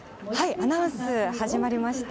アナウンス、始まりました。